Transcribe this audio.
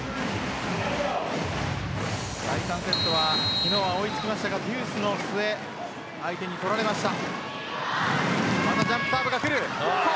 第３セットは昨日は追いつきましたがジュースの末相手に取られました。